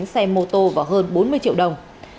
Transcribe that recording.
ba mươi chín xe mô tô và hơn bốn mươi triệu đồng